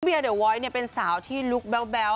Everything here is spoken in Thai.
เรียเดียเดียโว๊ยเป็นสาวที่ลุคแบ้ว